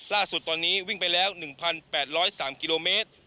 ล่าสุดตอนนี้วิ่งไปแล้ว๑๘๐๓กิโลเมตร